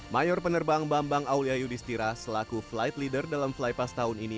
mayor penerbang bambang aulia yudhistira selaku flight leader dalam flypass tahun ini